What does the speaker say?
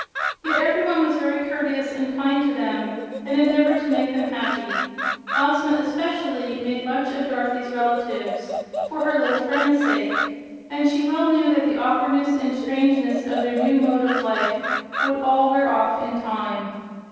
Yet every one was very courteous and kind to them and endeavored to make them happy. Ozma, especially, made much of Dorothy's relatives, for her little friend's sake, and she well knew that the awkwardness and strangeness of their new mode of life would all wear off in time.